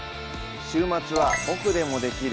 週末は「ボクでもできる！